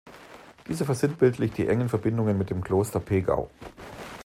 Dieser versinnbildlicht die engen Verbindungen mit dem Kloster Pegau.